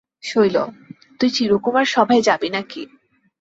শৈল, তুই চিরকুমার-সভায় যাবি না কি।